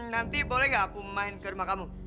nanti boleh gak aku main ke rumah kamu